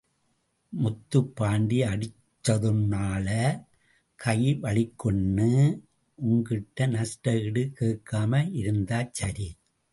முத்துப் பாண்டி அடிச்சதுனால கை வலிக்குன்னு உன்கிட்ட நஷ்ட ஈடு கேக்காம இருந்தா சரி!